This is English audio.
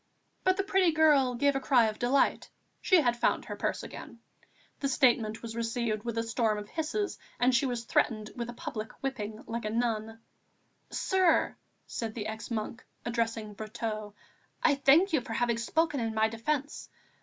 But the pretty girl gave a cry of delight; she had found her purse again. The statement was received with a storm of hisses, and she was threatened with a public whipping, like a Nun. "Sir," said the ex monk, addressing Brotteaux, "I thank you for having spoken in my defence.